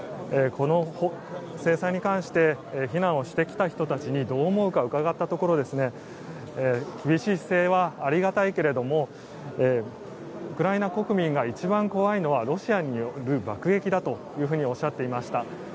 この制裁に関して避難をしてきた人たちにどう思うか伺ったところ厳しい姿勢はありがたいけどもウクライナ国民が一番怖いのはロシアによる爆撃だとおっしゃっていました。